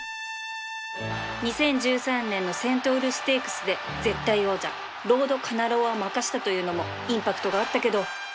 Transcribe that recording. ２０１３年のセントウルステークスで絶対王者ロードカナロアを負かしたというのもインパクトがあったけど